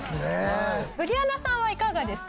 ブリアナさんはいかがですか？